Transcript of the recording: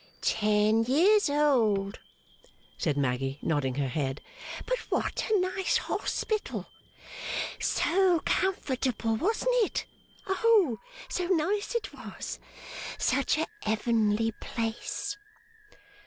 'Ten years old,' said Maggy, nodding her head. 'But what a nice hospital! So comfortable, wasn't it? Oh so nice it was. Such a Ev'nly place!